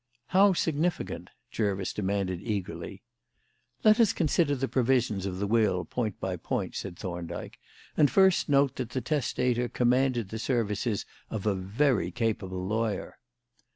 "How significant?" Jervis demanded eagerly. "Let us consider the provisions of the will point by point," said Thorndyke; "and first note that the testator commanded the services of a very capable lawyer."